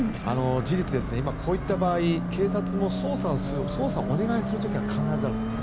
事実今、こういった場合警察も捜査をお願いする時が必ずあるんですね。